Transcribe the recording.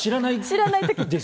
知らない時です。